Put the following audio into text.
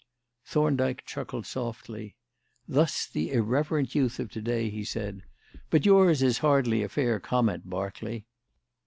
Thorndyke chuckled softly. "Thus the irreverent youth of to day," said he. "But yours is hardly a fair comment, Berkeley.